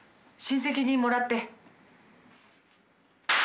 親戚にもらって。